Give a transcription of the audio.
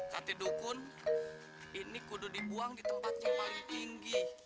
kati dukun ini kudu dibuang di tempat yang paling tinggi